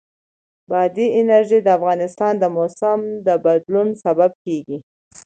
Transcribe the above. بادي انرژي د افغانستان د موسم د بدلون سبب کېږي.